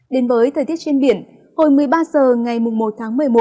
đến với thời tiết trên biển hồi một mươi ba h ngày một tháng một mươi một